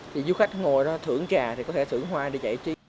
thì du khách ngồi đó thưởng trà thì có thể thưởng hoa đi chạy chi